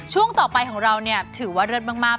ช่วงต่อไปของเราเนี่ยถือว่าเลิศมาก